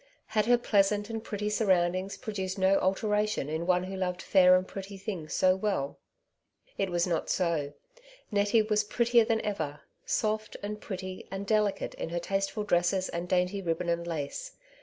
Had her pleasant and pretty surroundings produced no alteration in one who loved fair and pretty things so well ? It was not so ; Nettie was prettier than ever — soft, and pretty, and delicate in her tasteful dresses and dainty ribbon and lace.